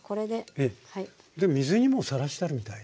水にもさらしてあるみたいですね。